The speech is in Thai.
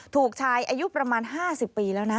ถูกชายอายุประมาณ๕๐ปีแล้วนะ